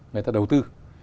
người ta đầu tư